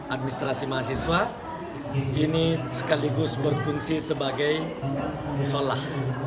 administrasi mahasiswa ini sekaligus berfungsi sebagai musolah